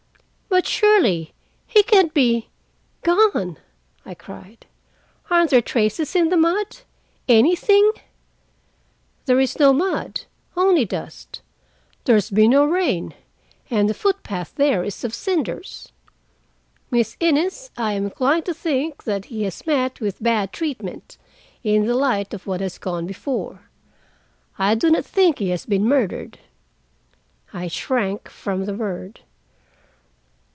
"But surely—he can't be—gone!" I cried. "Aren't there traces in the mud—anything?" "There is no mud—only dust. There has been no rain. And the footpath there is of cinders. Miss Innes, I am inclined to think that he has met with bad treatment, in the light of what has gone before. I do not think he has been murdered." I shrank from the word.